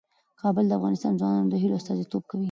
کابل د افغان ځوانانو د هیلو استازیتوب کوي.